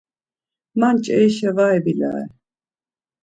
Ma nç̌erişa var ebilare.